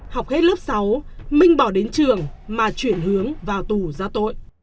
học hết lớp sáu minh bỏ đến trường mà chuyển hướng vào tù ra tội